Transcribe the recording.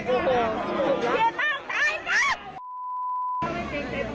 เครียดมากตายมากนั่นไม่จริง